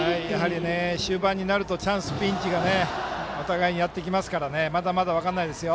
終盤になるとチャンス、ピンチがお互いにやってきますからまだまだ分からないですよ。